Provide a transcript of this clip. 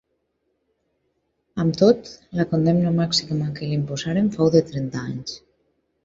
Amb tot, la condemna màxima que li imposaren fou de trenta anys.